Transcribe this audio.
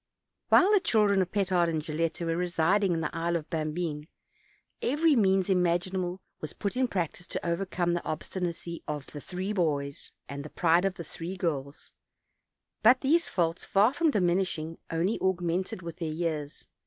While the children of Pe tard and Gilletta were resid ing in the Isle of Bambine, every means imaginable was put in practice to overcome the obstinacy of tie three boys and the pride of the three girls; but these faults, far from diminishing, only augmented with their years.